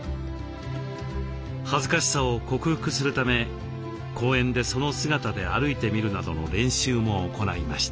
恥ずかしさを克服するため公園でその姿で歩いてみるなどの練習も行いました。